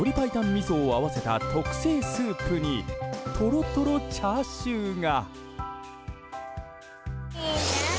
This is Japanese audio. みそを合わせた特製スープにトロトロチャーシューが。